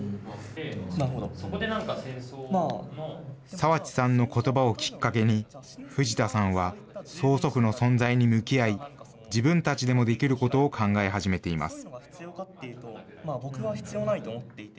澤地さんのことばをきっかけに、藤田さんは曽祖父の存在に向き合い、自分たちでもできることを考え始めています。